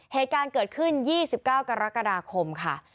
เหตุการณ์เกิดขึ้น๒๙กรกฎาคมค่ะ